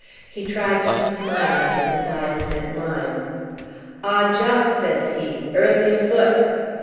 He tried to smile as is eye met mine. "Ah, Jock," says he, "early afoot!"